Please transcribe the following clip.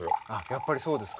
やっぱりそうですか。